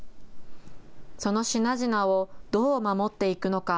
その品々をどう守っていくのか。